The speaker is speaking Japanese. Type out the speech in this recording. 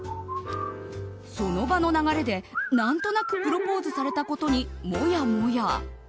その場の流れで何となくプロポーズされたことにもやもや。